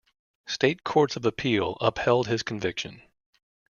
State courts of appeal upheld his conviction.